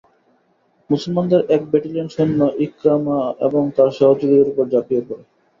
মুসলমানদের এক ব্যাটালিয়ন সৈন্য ইকরামা এবং তার সহযোগীদের উপর ঝাঁপিয়ে পড়ে।